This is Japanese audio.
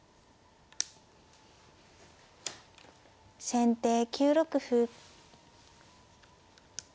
先手９六歩。